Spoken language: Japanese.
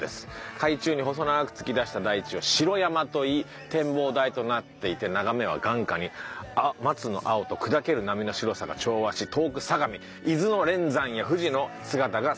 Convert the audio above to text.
「海中に細長く突き出した台地を城山といい展望台となっていて眺めは眼下に松の青と砕ける波の白さが調和し遠く相模・伊豆の連山や富士の姿がすばらしい」